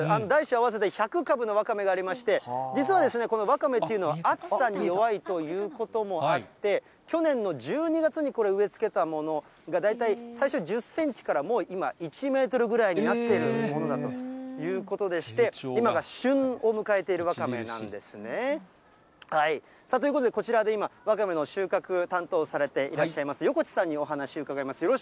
大小合わせて１００株のワカメがありまして、実はこのワカメというのは暑さに弱いということもあって、去年の１２月にこれ、植え付けたものが、大体最初は１０センチからもう今、１メートルぐらいになっているものだということでして、今が旬を迎えているワカメなんですね。ということで、こちらで今ワカメの収穫担当をされていらっしゃいます横地さんにお話を伺います。